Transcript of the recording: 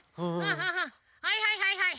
はいはいはいはい！